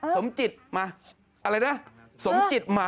สมจิตมาอะไรนะสมจิตมา